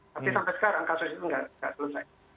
tapi sampai sekarang kasus itu tidak selesai